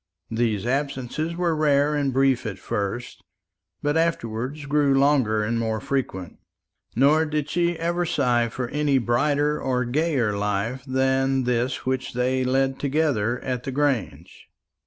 These absences were rare and brief at first, but afterwards grew longer and more frequent. Nor did she ever sigh for any brighter or gayer life than this which they led together at the Grange.